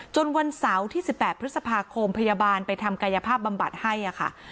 วันเสาร์ที่๑๘พฤษภาคมพยาบาลไปทำกายภาพบำบัดให้ค่ะ